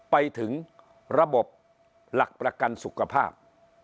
ไปถึงระบบหลักประกันสุขภาพ